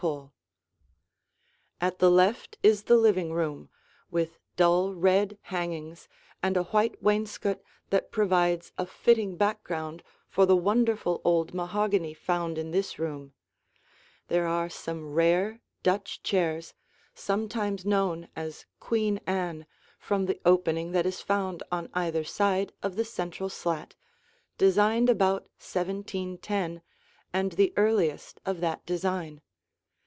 [Illustration: The Living Room] At the left is the living room, with dull red hangings and a white wainscot that provides a fitting background for the wonderful old mahogany found in this room. There are some rare Dutch chairs sometimes known as Queen Anne from the opening that is found on either side of the central slat, designed about 1710, and the earliest of that design.